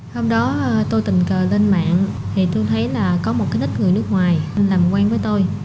hôm đó tôi tình cờ lên mạng thì tôi thấy là có một cái ít người nước ngoài làm quen với tôi